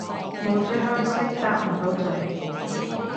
冇追開星搭唔到咀